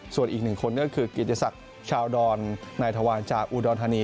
ส่วนอีก๑คนก็คือกิจศักดิ์ชาวดรนายธวรรณจากอูดรธานี